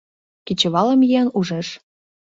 — Кечывалым еҥ ужеш.